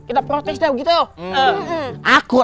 kita protes dah gitu